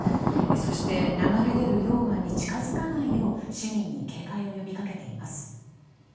そして流れ出る溶岩に近づかないよう市民に警戒を呼びかけています。